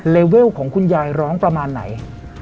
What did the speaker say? เวลของคุณยายร้องประมาณไหน